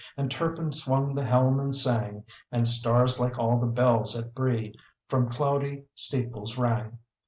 And Turpin swung the helm and sang; And stars like all the bells at Brie From cloudy steeples rang.